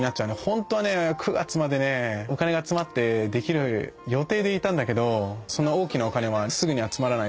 ホントはね９月までねお金が集まってできる予定でいたんだけどそんな大きなお金はすぐに集まらない。